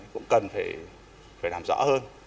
cũng cần phải làm rõ hơn